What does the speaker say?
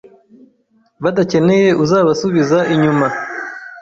badakeneye uzabasubiza inyuma